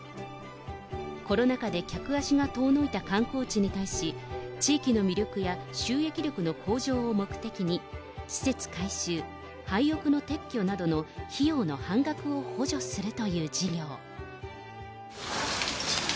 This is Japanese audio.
コロナ禍で客足が遠のいた観光地に対し、地域の魅力や収益力の向上を目的に、施設改修、廃屋の撤去などの費用の半額を補助するという事業。